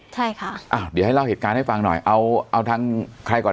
ใช่ค่ะอ้าวเดี๋ยวให้เล่าเหตุการณ์ให้ฟังหน่อยเอาเอาทางใครก่อน